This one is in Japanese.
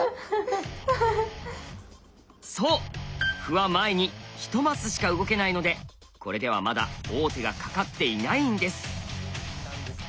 そう歩は前に１マスしか動けないのでこれではまだ王手がかかっていないんです。